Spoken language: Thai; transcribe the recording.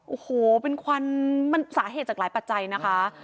โอ้โหเป็นควันมันสาเหตุจากหลายปัจจัยนะคะ